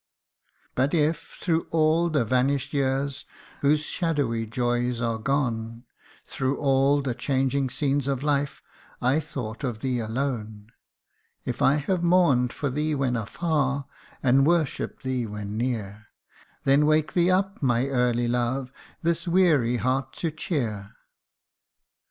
' But if, through all the vanish 'd years whose shadowy joys are gone, Through all the changing scenes of life, I thought of thee alone ; If I have mourn'd for thee when far, and worshipp'd thee when near, Then wake thee up, my early love, this weary heart to cheer